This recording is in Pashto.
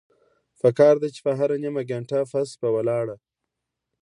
پکار ده چې هره نيمه ګنټه پس پۀ ولاړه